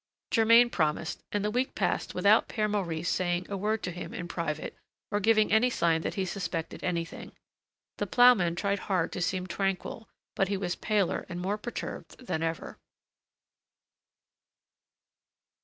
Germain promised, and the week passed without Père Maurice saying a word to him in private or giving any sign that he suspected anything. The ploughman tried hard to seem tranquil, but he was paler and more perturbed than ever.